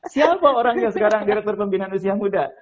siapa orangnya sekarang direktur pembinaan usia muda